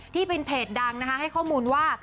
ที่เป็นเพจดังนะคะให้ข้อมูลว่า